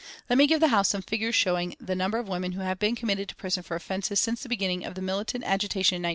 Let me give the House some figures showing the number of women who have been committed to prison for offences since the beginning of the militant agitation in 1906.